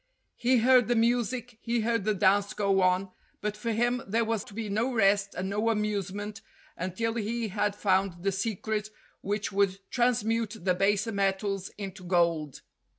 He heard the music, he heard the dance go on, but for him there was to be no rest and no amusement until he had found the secret which would transmute the baser metals into gold.